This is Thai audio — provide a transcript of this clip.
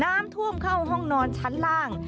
น้ำท่วมเข้าห้องนอนชั้นล่าง